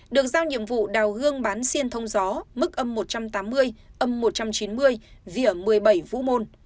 bốn nghìn hai trăm hai mươi được giao nhiệm vụ đào gương bán xiên thông gió mức âm một trăm tám mươi âm một trăm chín mươi vỉa một mươi bảy vũ môn